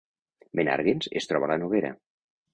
Menàrguens es troba a la Noguera